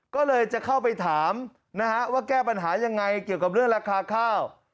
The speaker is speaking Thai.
ก็เลยจะเข้าไปถามนะฮะว่าแก้ปัญหายังไงเกี่ยวกับเรื่องราคาข้าว